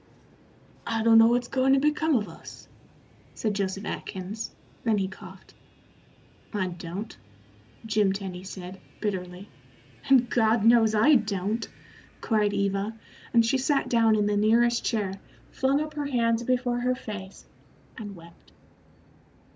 "I don't know what's goin' to become of us," said Joseph Atkins then he coughed. "I don't," Jim Tenny said, bitterly. "And God knows I don't," cried Eva, and she sat down in the nearest chair, flung up her hands before her face, and wept.